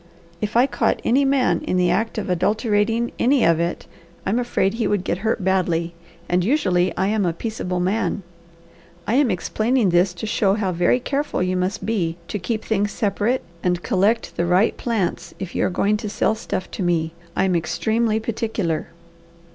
If I caught any man in the act of adulterating any of it I'm afraid he would get hurt badly and usually I am a peaceable man. I am explaining this to show how very careful you must be to keep things separate and collect the right plants if you are going to sell stuff to me. I am extremely particular."